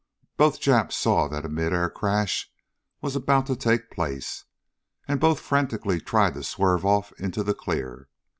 Both Japs saw that a midair crash was about to take place, and both frantically tried to swerve off into the clear.